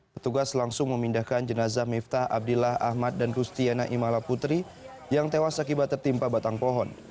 petugas langsung memindahkan jenazah miftah abdillah ahmad dan rustiana imala putri yang tewas akibat tertimpa batang pohon